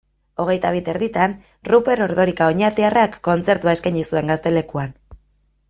Hogeita bi eta erdietan Ruper Ordorika oñatiarrak kontzertua eskaini zuen Gaztelekuan.